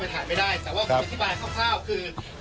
เป็นอ่างเต็มโปรซี่หลายโต๊ะนะครับอ่าแล้วก็มีการอ่าแล้วก็แหละ